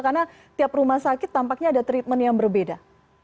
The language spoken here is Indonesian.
karena tiap rumah sakit tampaknya ada treatment yang berbeda